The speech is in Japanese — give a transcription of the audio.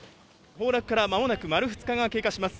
崩落から間もなく丸２日が経過します。